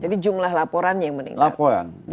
jadi jumlah laporannya yang meningkat